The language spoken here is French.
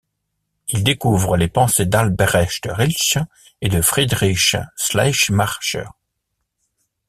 Il découvre les pensées d'Albrecht Ritschl et de Friedrich Schleiermacher.